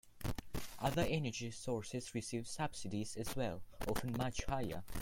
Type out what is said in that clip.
Other energy sources receive subsidies as well, often much higher.